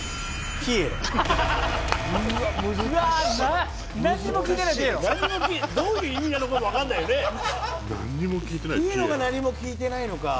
ピエロが何も聞いてないのか。